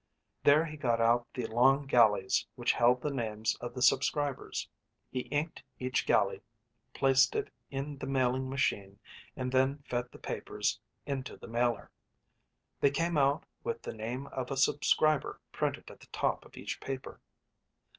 There he got out the long galleys which held the names of the subscribers. He inked each galley, placed it in the mailing machine, and then fed the papers into the mailer. They came out with the name of a subscriber printed at the top of each paper.